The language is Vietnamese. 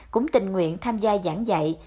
cũng tình nguyện tham gia giảng dạy